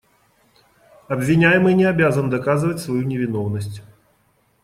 Обвиняемый не обязан доказывать свою невиновность.